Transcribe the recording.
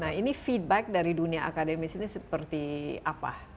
tapi bagi saya riset ini dari dunia akademis ini seperti apa